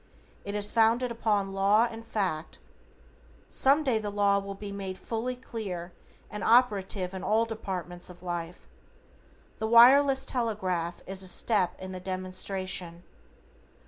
It is founded upon law and fact. Some day the law will be made fully clear and operative in all departments of life. The wireless telegraph is a step in the demonstration.